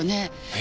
え？